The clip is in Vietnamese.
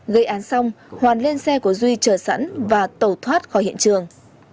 gây án xong hoàn lên xe của duy chờ sẵn và tẩu thoát khỏi hiện trường